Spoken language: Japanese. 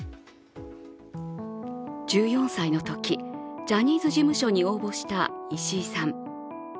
１４歳のときジャニーズ事務所に応募した石井さん。